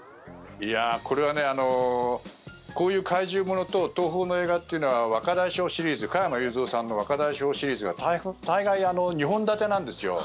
これは、こういう怪獣物と東宝の映画というのは加山雄三さんの若大将シリーズがたいがい２本立てなんですよ。